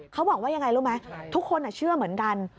เขาบอกว่ายังไงรู้ไหมทุกคนเชื่อเหมือนกัน